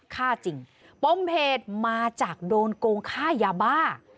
ฆ่าจริงปมเหตุมาจากโดนโกงค่ายาบ้า